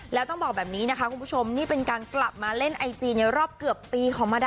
เธอพูดถึงชุดที่แต่งมาเพื่องานนี้โดยเฉพาะ